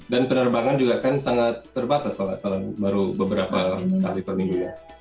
dan penerbangan juga kan sangat terbatas baru beberapa kali per minggu